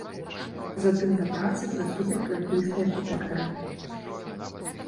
Затым да працы прыступяць латвійскія архітэктары.